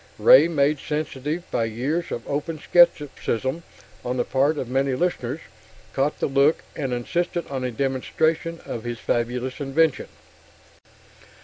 Ray, made sensitive by years of open skepticism on the part of many listeners, caught the look and insisted on a demonstration of his fabulous invention.